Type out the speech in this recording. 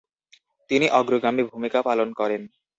তিনি অগ্রগামী ভূমিকা পালন করেন।